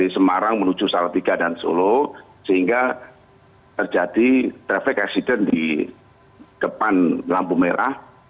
sehingga terjadi traffic accident di depan lampu merah